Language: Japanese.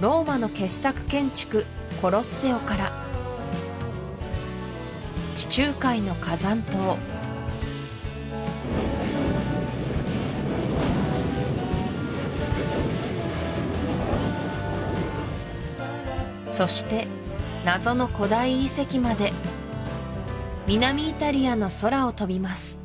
ローマの傑作建築コロッセオから地中海の火山島そして謎の古代遺跡まで南イタリアの空を飛びます